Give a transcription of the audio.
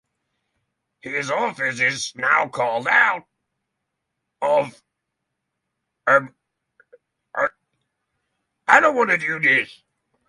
His office is now called out of abeyance only for coronations.